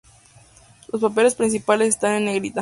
Los papeles principales están en negrita.